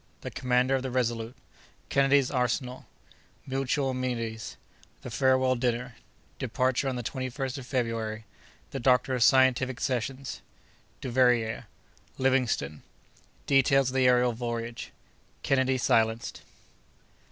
—The Commander of the Resolute.—Kennedy's Arsenal.—Mutual Amenities.—The Farewell Dinner.—Departure on the 21st of February.—The Doctor's Scientific Sessions.—Duveyrier.—Livingstone.—Details of the Aerial Voyage.—Kennedy silenced.